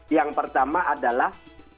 yang pertama adalah